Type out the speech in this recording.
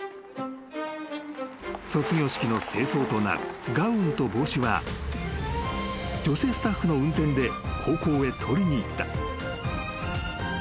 ［卒業式の正装となるガウンと帽子は女性スタッフの運転で高校へ取りに行った］